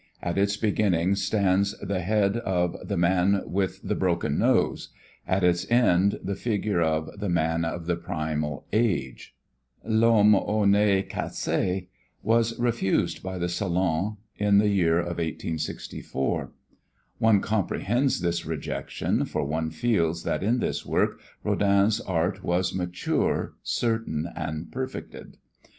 At its beginning stands the head of "The Man with the Broken Nose," at its end the figure of "The Man of the Primal Age." "L'Homme au Nez Cassé" was refused by the Salon in the year of 1864. One comprehends this rejection, for one feels that in this work Rodin's art was mature, certain and perfected.